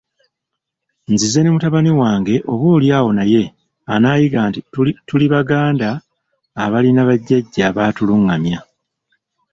Nzize ne mutabani wange oboolyawo naye anaayiga nti tuli Baganda abalina bajjajja abatulungamya.